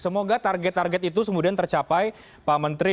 semoga target target itu kemudian tercapai pak menteri